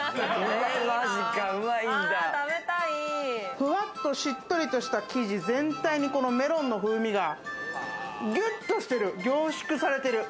ふわっと、しっとりとした生地全体にメロンの風味がギュッとしてる、凝縮されてる。